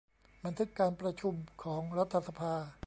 บันทึกการประชุมของรัฐสภา